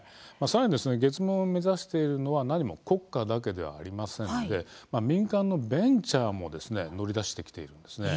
さらに月面を目指しているのは何も国家だけではありませんので民間のベンチャーもですね乗り出してきているんですね。